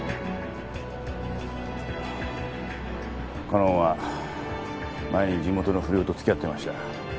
かのんは前に地元の不良と付き合ってました。